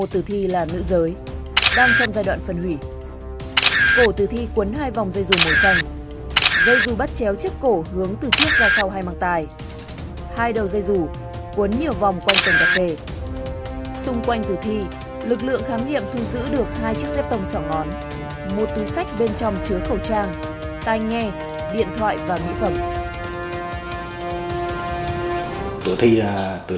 trong khi lực lượng khám nghiệm vẫn đang tiếp tục công việc